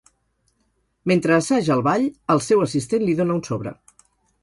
Mentre assaja el ball, el seu assistent li dóna un sobre.